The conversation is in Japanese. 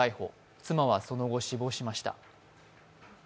妻はその後、死亡しました。